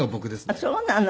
あっそうなの。